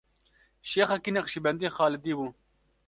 Şêxekî Neqşîbendî Xalidî bû.